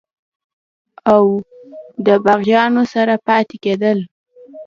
او دَباغيانو سره پاتې کيدل